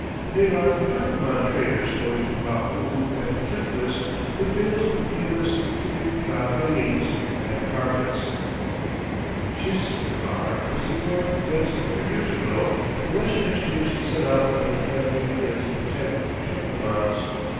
They are Turcoman traders going to Baku and Tiflis with bales of the famous kibitka hangings and carpets. Tchislikar is the port whence a few years ago the Russian expedition set out on their campaign against the Tekke Turcomans.